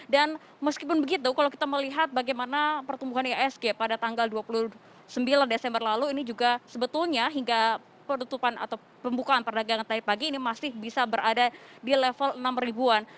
dan meskipun begitu kalau kita melihat bagaimana pertumbuhan ihsg pada tanggal dua puluh sembilan desember lalu ini juga sebetulnya hingga penutupan atau pembukaan perdagangan tadi pagi ini masih bisa berada di level enam an